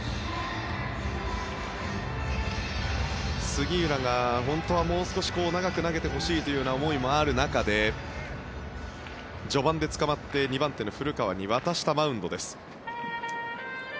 杉浦が本当はもう少し長く投げてほしいという思いもある中で序盤でつかまって２番手の古川に渡したマウンドです。